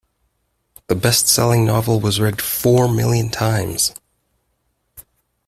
The bestselling novel was read four million times.